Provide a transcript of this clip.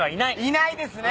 いないですね。